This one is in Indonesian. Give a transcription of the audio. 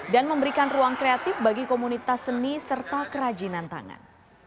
dan memberikan ruang kreatif bagi komunitas seni serta kerajinan tangan